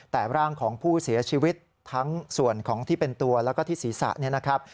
แต่ร่างของผู้เสียชีวิตทั้งส่วนของที่เป็นตัวแล้วก็ที่ศีรษะเนี่ยนะครับ